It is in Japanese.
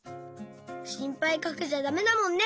しんぱいかけちゃだめだもんね。